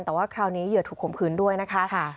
แต่ว่าคราวนี้เหยื่อถูกข่มขืนด้วยนะคะ